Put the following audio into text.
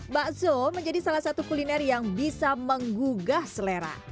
bakso menjadi salah satu kuliner yang bisa menggugah selera